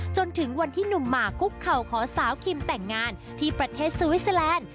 จนถึงวันที่หนุ่มหมากคุกเข่าขอสาวคิมแต่งงานที่ประเทศสวิสเตอร์แลนด์